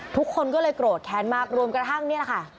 ทุกคนก็เลยโกรธแค้นมากรวมกระทั่งนี่แหละค่ะ